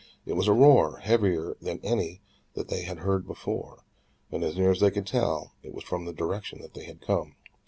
It was a roar heavier than any that they had heard before, and as near as they could tell, it was from the direction that they had come.